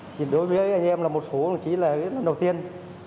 thì đối với anh em là một số chỉ là lần đầu tiên